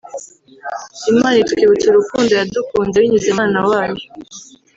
Imana itwibutsa urukundo yadukunze binyuze mu mwana wayo